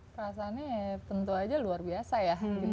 perasaannya ya tentu aja luar biasa ya